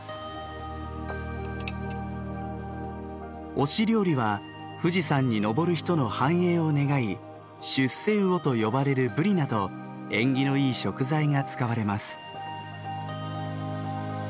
御師料理は富士山に登る人の繁栄を願い「出世魚」と呼ばれるブリなど縁起のいい食材が使われます。